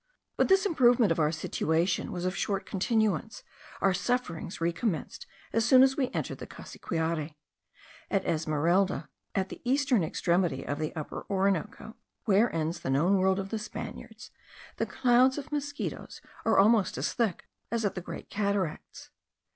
But this improvement of our situation was of short continuance; our sufferings recommenced as soon as we entered the Cassiquiare. At Esmeralda, at the eastern extremity of the Upper Orinoco, where ends the known world of the Spaniards, the clouds of mosquitos are almost as thick as at the Great Cataracts.